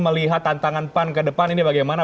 melihat tantangan pan ke depan ini bagaimana